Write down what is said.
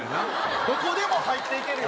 どこでも入っていけるよ。